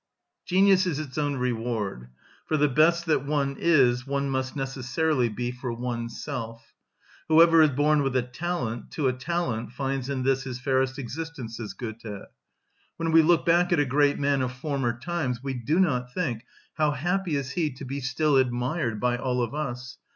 Genius is its own reward: for the best that one is, one must necessarily be for oneself. "Whoever is born with a talent, to a talent, finds in this his fairest existence," says Goethe. When we look back at a great man of former times, we do not think, "How happy is he to be still admired by all of us!"